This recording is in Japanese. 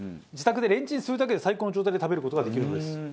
自宅でレンチンするだけで最高の状態で食べる事ができるのです。